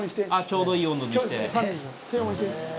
ちょうどいい温度にして。